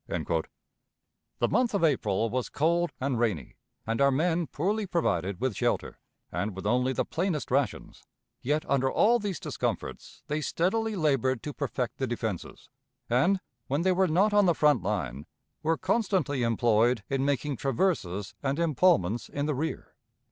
The month of April was cold and rainy, and our men poorly provided with shelter, and with only the plainest rations; yet, under all these discomforts, they steadily labored to perfect the defenses, and, when they were not on the front line, were constantly employed in making traverses and epaulments in the rear.